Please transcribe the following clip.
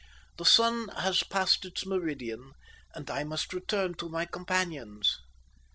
The sun has passed its meridian, and I must return to my companions."